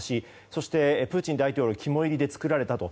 そして、プーチン大統領肝煎りで造られたと。